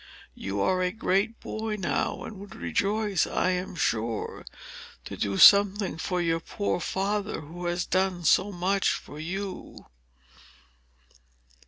You are a great boy now, and would rejoice, I am sure, to do something for your poor father, who has done so much for you."